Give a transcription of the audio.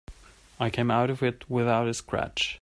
I came out of it without a scratch.